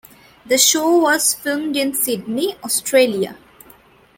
The show was filmed in Sydney, Australia.